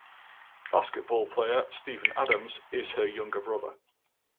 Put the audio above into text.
Basketball player Steven Adams is her younger brother.